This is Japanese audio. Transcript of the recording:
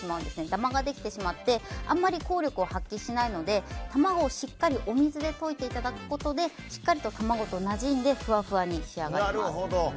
ダマができてしまってあんまり効力を発揮しないので卵をしっかりお水で溶いていただくことでしっかりと卵となじんでふわふわになります。